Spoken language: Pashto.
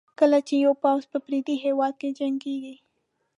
کله چې یو پوځي په پردي هېواد کې جنګېږي.